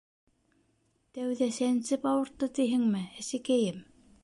— Тәүҙә сәнсеп ауыртты тиһеңме, әсәкәйем?